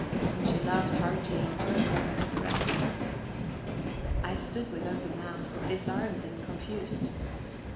And she laughed heartily and turned round to the rest. I stood with open mouth, disarmed and confused.